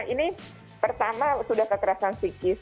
ini pertama sudah kekerasan psikis